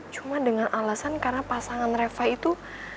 cuma dengan alasan karena pasangan reva itu